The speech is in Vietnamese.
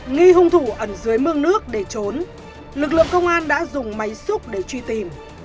nghi hung thủ ẩn dưới mương nước để trốn lực lượng công an đã dùng máy xúc để truy tìm